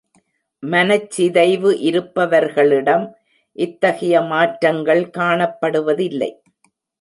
மனச்சிதைவு இருப்பவர்களிடம் இத்தகைய மாற்றங்கள் காணப்படுவதில்லை.